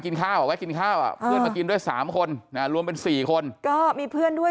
กินข้าวกินข้าวมากินด้วย๓คนรวมเป็น๔คนก็มีเพื่อนด้วย